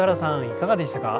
いかがでしたか？